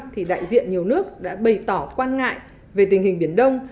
thì đại diện nhiều nước đã bày tỏ quan ngại về tình hình biển đông